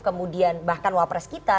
kemudian bahkan wapres kita